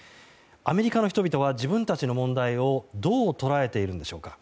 アメリカの人々は自分たちの問題をどう捉えているんでしょうか。